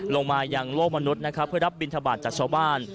ลงมายังโลกมนุษย์นะครับเพื่อรับบินทบาทจากชาวบ้าน